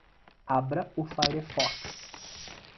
Abra o firefox.